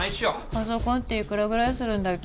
パソコンっていくらぐらいするんだっけ？